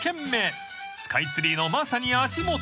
［スカイツリーのまさに足元］